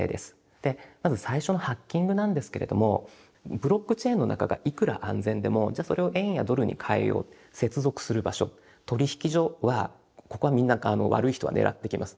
でまず最初のハッキングなんですけれどもブロックチェーンの中がいくら安全でもじゃあそれを円やドルに換えよう接続する場所取引所はここはみんな悪い人は狙ってきます。